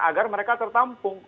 agar mereka tertampung